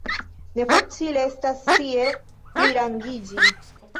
Ne facile estas tie plirangiĝi.